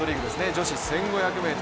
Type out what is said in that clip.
女子１５００ｍ。